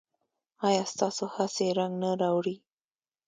ایا ستاسو هڅې رنګ نه راوړي؟